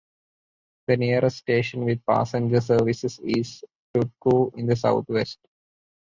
The nearest station with passenger services is Turku in the southwest.